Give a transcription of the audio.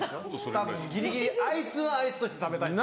たぶんギリギリアイスはアイスとして食べたいんです。